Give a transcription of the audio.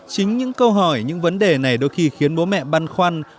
chính những câu hỏi những vấn đề này đôi khi khiến bố mẹ băn khoăn